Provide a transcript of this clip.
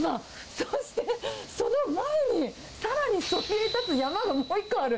そしてその前に、さらにそびえたつ山がもう１個ある。